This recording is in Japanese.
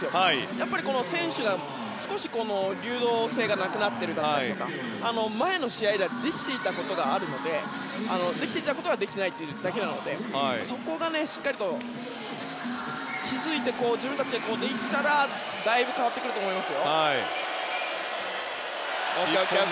やっぱり選手に少し流動性がなくなってるだとか前の試合ではできていたことができていないだけなのでそこがしっかりと築いて自分たちでできたらだいぶ変わってくると思いますよ。